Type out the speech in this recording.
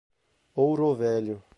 Ouro Velho